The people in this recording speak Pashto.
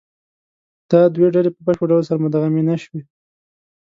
دا دوې ډلې په بشپړ ډول سره مدغمې نهشوې.